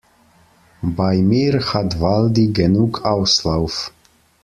Bei mir hat Waldi genug Auslauf.